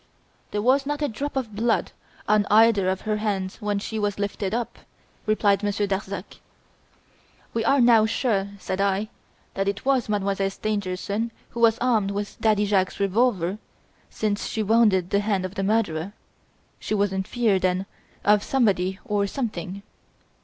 "There was not a drop of blood on either of her hands when she was lifted up," replied Monsieur Darzac. "We are now sure," said I, "that it was Mademoiselle Stangerson who was armed with Daddy Jacques's revolver, since she wounded the hand of the murderer. She was in fear, then, of somebody or something."